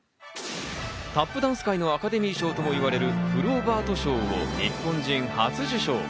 タップダンス界のアカデミー賞ともいわれるフローバート賞を日本人初受賞。